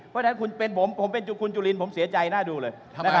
เพราะฉะนั้นผมเป็นคุณจุลินผมเสียใจหน้าดูเลย